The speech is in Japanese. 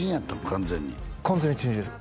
完全に完全に新人です